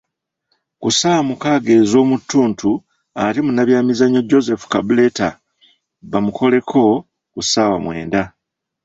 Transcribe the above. Ku ssaawa mukaaga ez'omu ttuntu ate Munnabyamizannyo Joseph Kabuleta baamukoleko ku ssaawa mwenda .